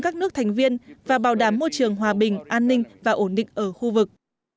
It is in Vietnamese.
các nước thành viên và bảo đảm môi trường hòa bình an ninh và ổn định ở khu vực